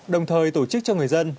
đồng thời tổ chức cho người dân